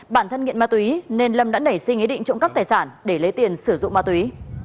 bản thân nghiện ma túy nên lâm đã nảy sinh ý định trộm cắp tài sản để lấy tiền sử dụng ma túy